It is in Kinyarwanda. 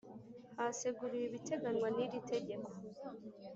Haseguriwe ibiteganywa n iri tegeko